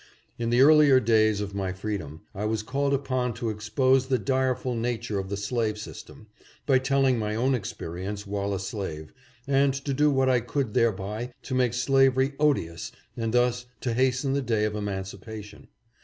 In the earlier days of my freedom, I was called upon to expose the direful nature of the slave system, by telling my own experience while a slave, and to do what I could thereby to make slavery odious and thus to hasten the day of emancipation.